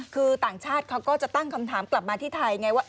คือต่างชาติเขาก็จะตั้งคำถามกลับมาที่ไทยไงว่า